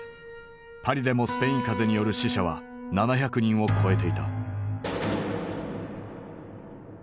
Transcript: パリでもスペイン風邪による死者は７００人を超えていた。